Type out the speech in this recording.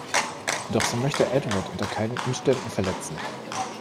Doch sie möchte Edward unter keinen Umständen verletzen.